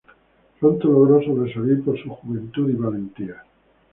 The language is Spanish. Pronto logró sobresalir por su juventud y valentía.